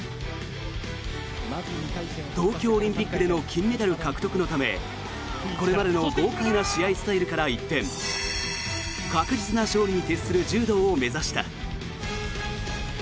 東京オリンピックでの金メダル獲得のためこれまでの豪快な試合スタイルから一転確実な勝利に徹する柔道を目指した。